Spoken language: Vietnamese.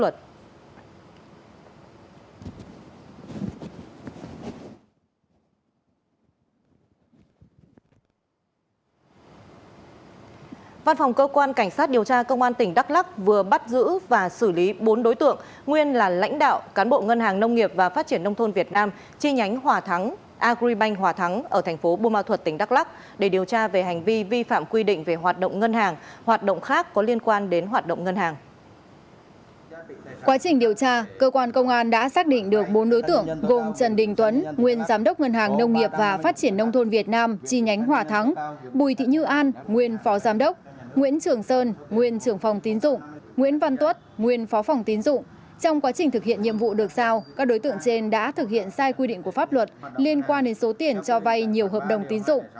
trong quá trình thực hiện nhiệm vụ được sao các đối tượng trên đã thực hiện sai quy định của pháp luật liên quan đến số tiền cho vay nhiều hợp đồng tín dụng